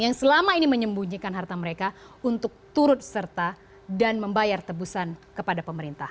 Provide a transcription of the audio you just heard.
yang selama ini menyembunyikan harta mereka untuk turut serta dan membayar tebusan kepada pemerintah